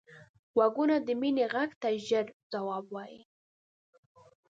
غوږونه د مینې غږ ته ژر ځواب وايي